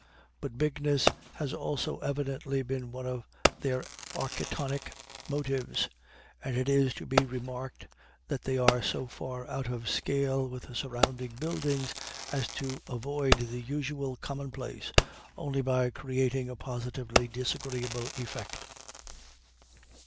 But bigness has also evidently been one of their architectonic motives, and it is to be remarked that they are so far out of scale with the surrounding buildings as to avoid the usual commonplace, only by creating a positively disagreeable effect.